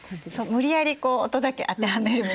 無理やり音だけ当てはめるみたいな。